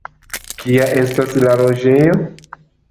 Kia estas la loĝejo?